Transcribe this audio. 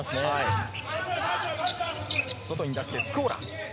外に出してスコーラ。